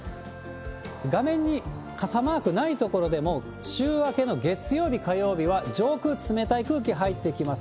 画面に傘マークない所でも、週明けの月曜日、火曜日は上空冷たい空気入ってきます。